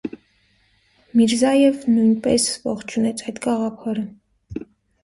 Միրզաև նույնպես ողջունեց այդ գաղափարը։